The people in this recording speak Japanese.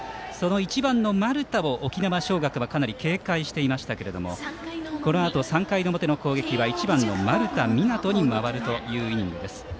１番の丸田を沖縄尚学はかなり警戒していましたけれどもこのあと３回の表の攻撃は１番の丸田湊斗に回るというイニングです。